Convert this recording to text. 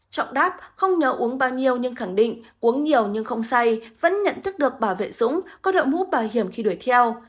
trọng đáp không nhớ uống bao nhiêu nhưng khẳng định uống nhiều nhưng không say vẫn nhận thức được bảo vệ dũng có đội mũ bảo hiểm khi đuổi theo